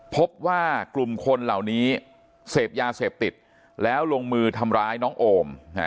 พบว่ากลุ่มคนเหล่านี้เสพยาเสพติดแล้วลงมือทำร้ายน้องโอม